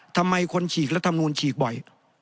ทำไมคนฉีกรัฐมนูลฉีกบ่อย